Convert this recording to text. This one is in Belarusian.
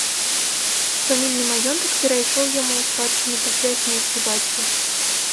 Фамільны маёнтак перайшоў яму ў спадчыну пасля смерці бацькі.